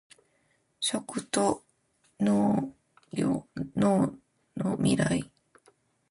食と農のミライ